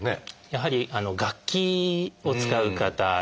やはり楽器を使う方ですね。